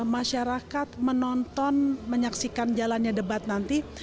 masyarakat menonton menyaksikan jalannya debat nanti